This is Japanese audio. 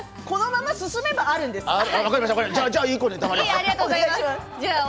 このまま進めばあります。